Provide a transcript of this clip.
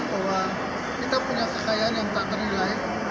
bahwa kita punya kekayaan yang tak terdapat di negara lain